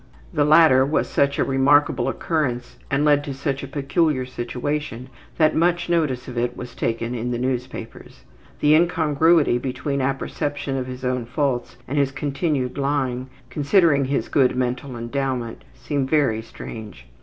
The latter was such a remarkable occurrence and led to such a peculiar situation that much notice of it was taken in the newspapers. The incongruity between apperception of his own faults and his continued lying, considering his good mental endowment, seemed very strange.